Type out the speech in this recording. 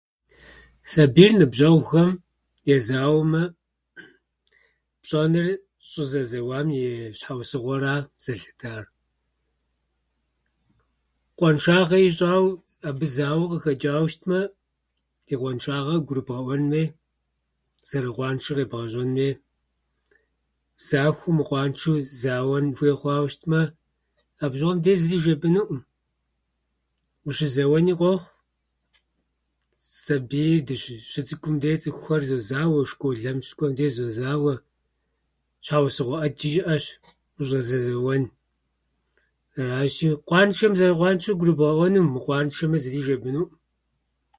Сабийр ныбжьэгъухэм езауэмэ, пщӏэныр щӏызэзэуам и щхьэусыгъуэра зэлъытар. Къуаншагъэ ищӏау, абы зауэ къыхэчӏауэ щтымэ, и къуаншагъэ къыгурыбгъэӏуэн хуей, зэрыкъуаншэр къебгъэщӏэн хуей. Захуэу мыкъуаншэу зэуэн хуей хъуауэ щытмэ, абы щыгъуэм де зыри жепӏынуӏым. Ущызэуэни къохъу, сабий дыщы- щыцӏыкӏум дей цӏыхухьэр зозауэ школхьэм щыкӏуэм дей зозауэ. Щхьэусыгъуэ ӏэджи щыӏэщ ущӏызэзэуэн. Аращи, къуаншэм, зэрыкъуаншэр къыгурыбгъэӏуэну, мыкъуаншэмэ, зыри жепӏынуӏым.